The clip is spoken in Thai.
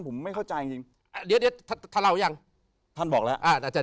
ผมไม่เข้าใจจริงเดี๋ยวถ้าเล่าไว้ยังท่านบอกแล้วอาจจะ